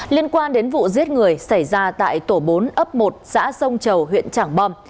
liên quan đến vụ giết người xảy ra tại tổ bốn ấp một xã sông chầu huyện trảng bòm